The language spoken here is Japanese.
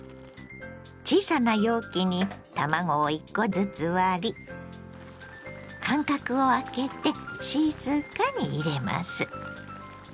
小さな容器に卵を１コずつ割り間隔をあけて静かに入れます。